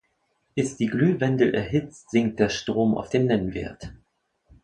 Ist die Glühwendel erhitzt, sinkt der Strom auf den Nennwert.